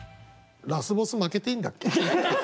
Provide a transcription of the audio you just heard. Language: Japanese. ラスボス負けていいんだっけ？